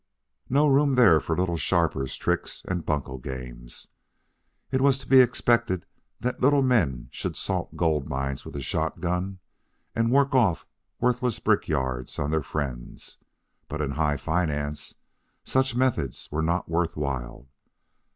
No room there for little sharpers' tricks and bunco games. It was to be expected that little men should salt gold mines with a shotgun and work off worthless brick yards on their friends, but in high finance such methods were not worth while.